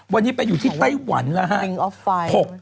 วันนี้ไปอยู่ที่ไต้หวันแล้วฮะ